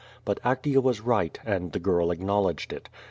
But Actea was right, and the girl acknowledged it.